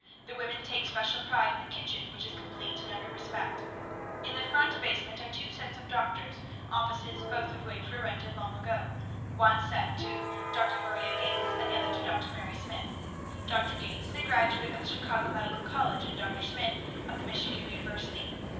The women take special pride in the kitchen, which is complete in every respect. In the front basement are two sets of doctors' offices, both of which were rented long ago; one set to Dr. Maria Gates, and the other to Dr. Mary Smith. Dr. Gates is a graduate of the Chicago Medical College, and Dr. Smith of the Michigan University.